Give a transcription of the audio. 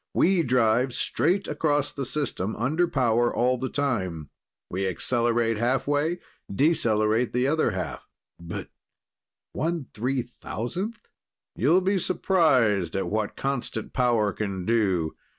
"We drive straight across the system, under power all the time. We accelerate half way, decelerate the other half." "But 1/3,000th!" "You'll be surprised at what constant power can do.